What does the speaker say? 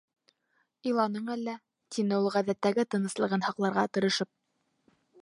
Иланың әллә? - тине ул ғәҙәттәге тыныслығын һаҡларға тырышып.